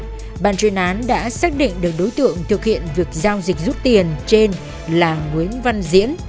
trên dạng bàn truyền án đã xác định được đối tượng thực hiện việc giao dịch rút tiền trên là nguyễn văn diễn